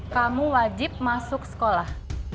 kamu wajib masuk sekolah